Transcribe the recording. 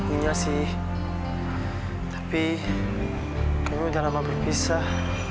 iya sih tapi kayaknya udah lama berpisah